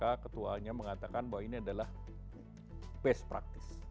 dan kpk ketuanya mengatakan bahwa ini adalah best practice